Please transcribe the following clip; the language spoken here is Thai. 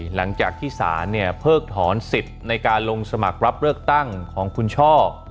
หลังจากที่ศาลเนี่ยเพิกถอนสิทธิ์ในการลงสมัครรับเลือกตั้งของคุณช่อ